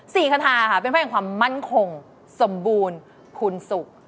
สี่คาทาค่ะเป็นเพื่อนของมั่นคงสมบูรณ์คุณสุข